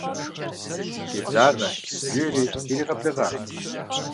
Феблагъэ, жери иригъэблэгъащ.